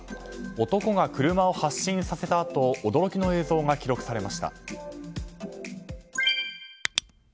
男が車を発進させたあと驚きの映像が記録されました。